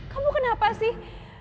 kamu kenapa sih